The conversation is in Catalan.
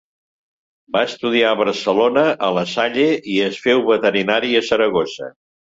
Va estudiar a Barcelona, a La Salle, i es féu veterinari a Saragossa.